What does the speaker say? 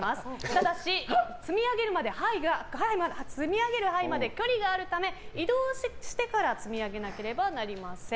ただし、積み上げる牌まで距離があるため移動してから積み上げなければなりません。